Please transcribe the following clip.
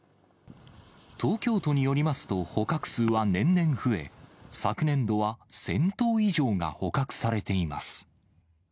東京都によりますと、捕獲数は年々増え、昨年度は１０００頭以上が捕獲されています。